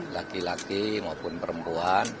laki laki maupun perempuan